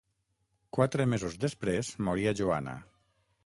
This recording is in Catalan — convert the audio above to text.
Quatre mesos després moria Joana.